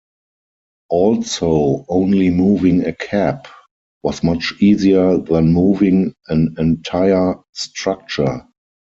Also, only moving a cap was much easier than moving an entire structure.